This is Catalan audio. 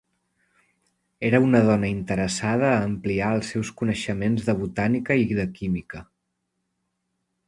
Era una dona interessada a ampliar els seus coneixements de botànica i de química.